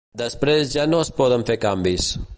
Després ja no es poden fer canvis.